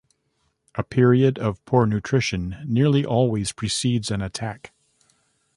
A period of poor nutrition nearly always precedes an attack.